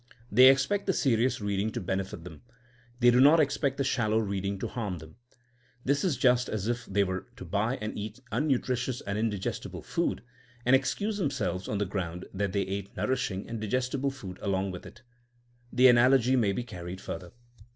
They expect the serious read ing to benefit them. They do not expect the shallow reading to harm them. This is just as if they were to buy and eat mmutritious and in digestible food, and excuse themselves on the ground that they ate nourishing and digestible food along with it. The analogy may be carried further.